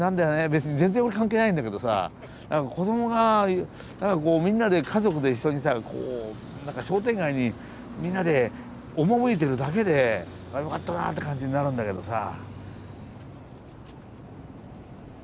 別に全然俺関係ないんだけどさ何か子供がみんなで家族で一緒にさ商店街にみんなで赴いてるだけであよかったなって感じになるんだけどさ。